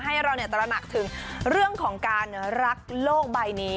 ให้เราตระหนักถึงเรื่องของการรักโลกใบนี้